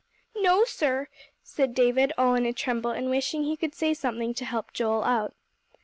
"No, sir," said David, all in a tremble, and wishing he could say something to help Joel out.